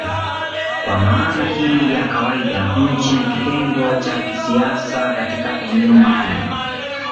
Kwa maana hii ya kawaida nchi ni kitengo cha kisiasa katika eneo maalumu.